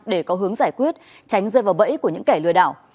để có hướng giải quyết tránh rơi vào bẫy của những kẻ lừa đảo